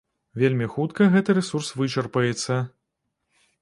Вельмі хутка гэты рэсурс вычарпаецца.